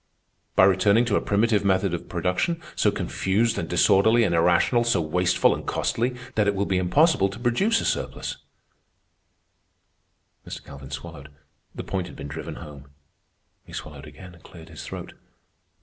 By returning to a primitive method of production, so confused and disorderly and irrational, so wasteful and costly, that it will be impossible to produce a surplus." Mr. Calvin swallowed. The point had been driven home. He swallowed again and cleared his throat.